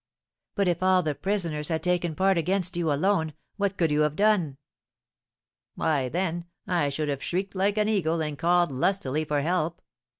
'" "But if all the prisoners had taken part against you, alone, what could you have done?" "Why, then, I should have shrieked like an eagle and called lustily for help.